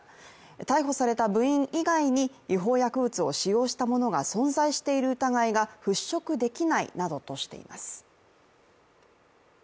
逮捕された部員以外に違法薬物を使用した者が存在している疑いが払拭できないなどとしています。